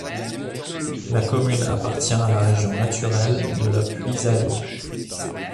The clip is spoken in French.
La commune appartient à la région naturelle de la Puisaye.